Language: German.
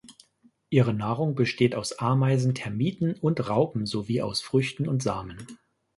Ihre Nahrung besteht aus Ameisen, Termiten und Raupen sowie aus Früchten und Samen.